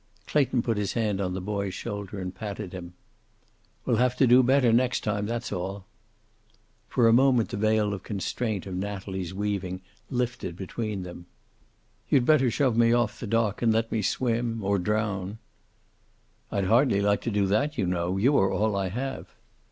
Clayton put his hand on the boy's shoulder and patted him. "We'll have to do better next time. That's all." For a moment the veil of constraint of Natalie's weaving lifted between them. "I'm a pretty bad egg, I guess. You'd better shove me off the dock and let me swim or drown." "I'd hardly like to do that, you know. You are all I have."